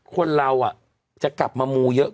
คนเราจะกลับมามูเยอะ